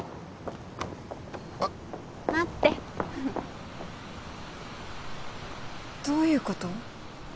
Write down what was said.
あっ待ってどういうこと？